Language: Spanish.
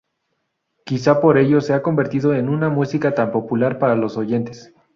Quizás por ello se ha convertido en una música tan popular para los oyentes.